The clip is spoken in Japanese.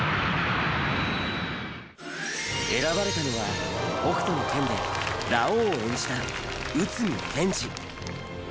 選ばれたのは『北斗の拳』でラオウを演じた内海賢二。